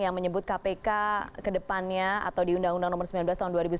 yang menyebut kpk kedepannya atau di undang undang nomor sembilan belas tahun dua ribu sembilan belas